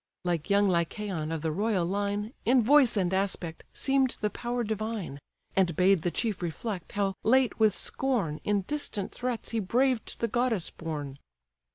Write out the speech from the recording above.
Like young Lycaon, of the royal line, In voice and aspect, seem'd the power divine; And bade the chief reflect, how late with scorn In distant threats he braved the goddess born.